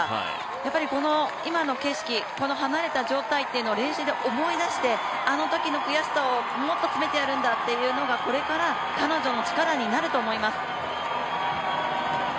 やっぱり今の景色離れた状態というのを練習で思い出して、あのときの悔しさをもっと詰めてやるんだというのがこれから彼女の力になると思います。